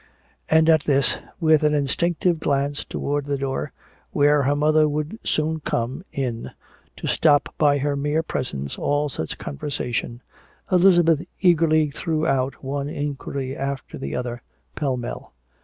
And at this, with an instinctive glance toward the door where her mother would soon come in to stop by her mere presence all such conversation, Elizabeth eagerly threw out one inquiry after the other, pell mell.